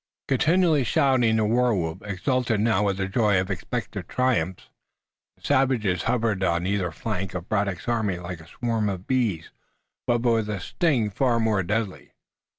Continually shouting the war whoop, exultant now with the joy of expected triumph, the savages hovered on either flank of Braddock's army like a swarm of bees, but with a sting far more deadly.